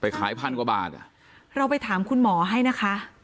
ขายพันกว่าบาทอ่ะเราไปถามคุณหมอให้นะคะ